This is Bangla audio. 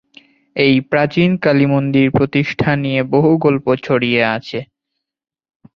এই প্রাচীন কালীমন্দির প্রতিষ্ঠা নিয়ে বহু গল্প ছড়িয়ে আছে।